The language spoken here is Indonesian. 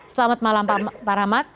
selamat malam pak rahmat